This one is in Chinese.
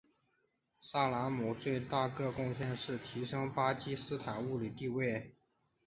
萨拉姆最大个贡献是提升巴基斯坦物理地位。